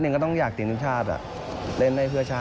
รายงาน